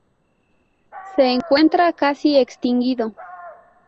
Se encuentra casi extinguido.